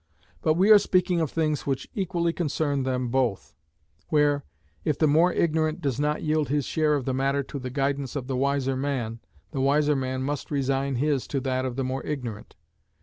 But we are speaking of things which equally concern them both; where, if the more ignorant does not yield his share of the matter to the guidance of the wiser man, the wiser man must resign his to that of the more ignorant.